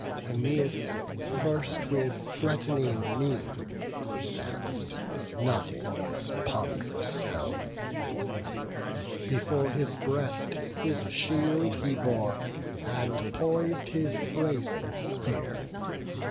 Æneas first with threat'ning mien advanc'd, Nodding his pond'rous helm; before his breast His shield he bore, and pois'd his brazen spear.